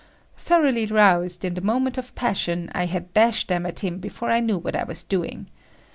Thoroughly roused, in the moment of passion, I had dashed them at him before I knew what I was doing.